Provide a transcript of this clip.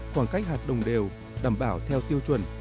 khoảng cách hạt đồng đều đảm bảo theo tiêu chuẩn